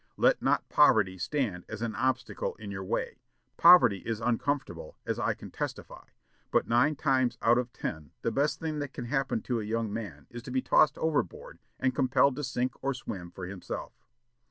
Let not poverty stand as an obstacle in your way. Poverty is uncomfortable, as I can testify; but nine times out of ten the best thing that can happen to a young man is to be tossed overboard, and compelled to sink or swim for himself.